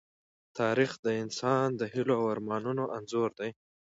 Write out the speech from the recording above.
تاریخ د انسان د هيلو او ارمانونو انځور دی.